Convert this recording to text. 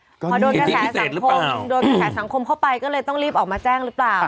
พอโดนกระแสสังคมเข้าไปก็เลยต้องรีบออกมาแจ้งหรือเปล่า